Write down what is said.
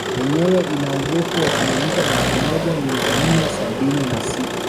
Yenyewe ina urefu wa kilomita elfu moja mia nne sabini na sita